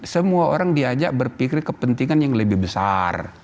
semua orang diajak berpikir kepentingan yang lebih besar